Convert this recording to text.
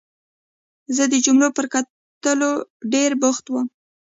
زه د جملو پر کټلو ډېر بوخت وم.